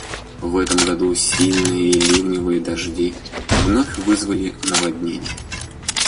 В этом году сильные ливневые дожди вновь вызвали наводнение.